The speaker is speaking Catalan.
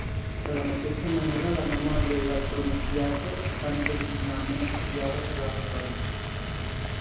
De la mateixa manera, la 'memoria' i la 'pronuntiatio' estan tradicionalment afiliades a la retòrica.